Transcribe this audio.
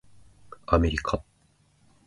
アメリカ